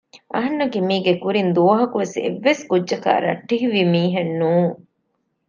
އަހަންނަކީ މީގެ ކުރިން ދުވަހަކުވެސް އެއްވެސް ކުއްޖަކާއި ރައްޓެހިވި މީހެއް ނޫން